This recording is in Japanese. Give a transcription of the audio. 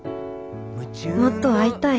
もっと会いたい。